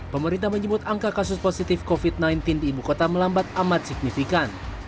pemerintah menyebut angka kasus positif covid sembilan belas di ibu kota melambat amat signifikan